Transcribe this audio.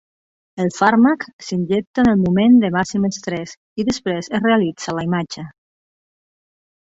El fàrmac s'injecta en el moment de màxim estrès, i després es realitza la imatge.